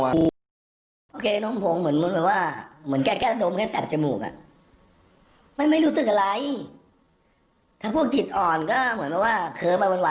เพราะอะไรแรงกว่า